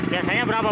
biasanya berapa bu